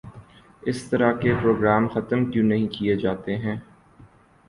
اس طرح کے پروگرام ختم کیوں نہیں کیے جاتے ہیں